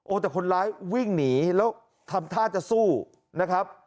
แต่คนร้ายวิ่งหนีแล้วทำท่าจะสู้นะครับ